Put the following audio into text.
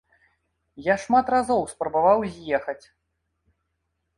Я шмат разоў спрабаваў з'ехаць.